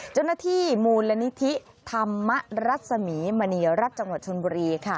เจ้าหน้าที่มูลนิธิธรรมรัศมีมณีรัฐจังหวัดชนบุรีค่ะ